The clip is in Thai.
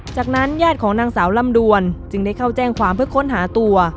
จากนั้นญาติของนางสาวลำดวนจึงได้เข้าแจ้งความเพื่อค้นหาตัว